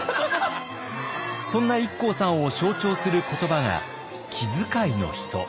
そんなＩＫＫＯさんを象徴する言葉が「気遣いの人」。